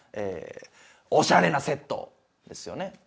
え「おしゃれなセット」ですよね。